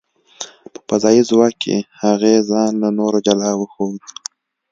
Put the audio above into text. په فضايي ځواک کې، هغې ځان له نورو جلا وښود .